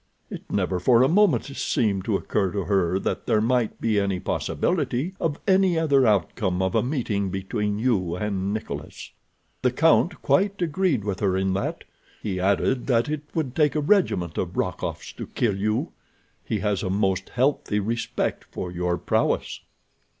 It never for a moment seemed to occur to her that there might be any possibility of any other outcome of a meeting between you and Nikolas. The count quite agreed with her in that. He added that it would take a regiment of Rokoffs to kill you. He has a most healthy respect for your prowess.